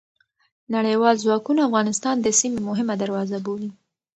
نړیوال ځواکونه افغانستان د سیمې مهمه دروازه بولي.